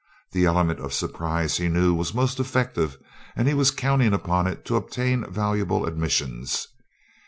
The element of surprise he knew was most effective and he was counting upon it to obtain valuable admissions.